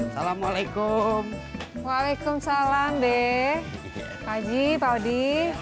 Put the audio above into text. salamualaikum waalaikumsalam deh fadji faudi